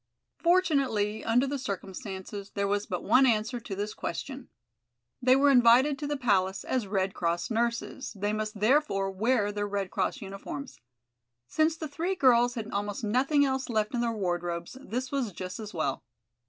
Fortunately, under the circumstances there was but one answer to this question. They were invited to the Palace as Red Cross nurses, they must therefore wear their Red Cross uniforms. Since the three girls had almost nothing else left in their wardrobes, this was just as well.